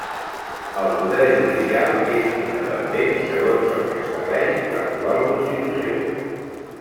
El poder judicial és independent, segons el que estableix l'actual Constitució.